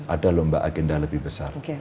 ada lomba agenda lebih besar